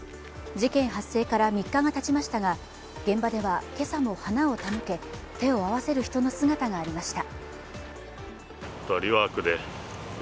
事件発生から３日がたちましたが現場では、今朝も花を手向け手を合わせる人の姿がありました。